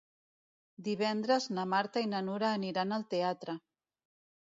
Divendres na Marta i na Nura aniran al teatre.